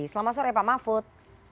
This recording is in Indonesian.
selamat sore pak mahfud